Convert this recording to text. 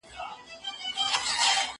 زه اجازه لرم چي تمرين وکړم!